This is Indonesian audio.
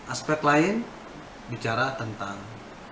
aspek lain bicara tentang